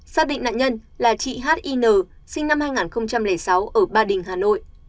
xác định nạn nhân là chị h i n sinh năm hai nghìn sáu ở ba đình hà nội